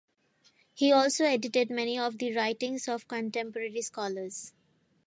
He also edited many of the writings of contemporary scholars.